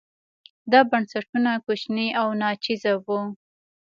دا بنسټونه کوچني او ناچیزه وو.